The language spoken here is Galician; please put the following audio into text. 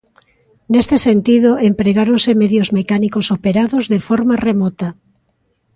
Neste sentido, empregáronse medios mecánicos operados de forma remota.